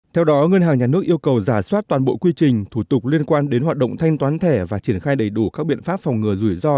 theo đó ngân hàng nhà nước yêu cầu giả soát toàn bộ quy trình thủ tục liên quan đến hoạt động thanh toán thẻ và triển khai đầy đủ các biện pháp phòng ngừa rủi ro